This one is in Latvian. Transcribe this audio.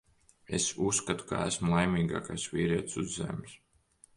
Es uzskatu, ka esmu laimīgākais vīrietis uz Zemes.